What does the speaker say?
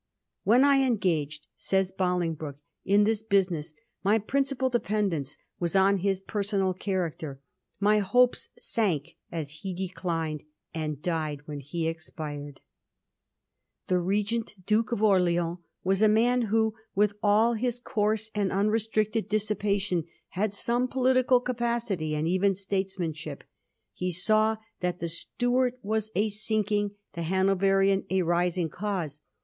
* When I engaged,' says Bolingbroke, *in this business, my principal dependence was on his personal character — my hopes sank as he declined, and died when he expired,' The Regent, Duke of Orleans, was a man who, with all his coarse and unrestricted dissipation, had some political capacity and even statesmanship. He saw that the Stuart Avas a sinking, the Hanoverian a rising cause.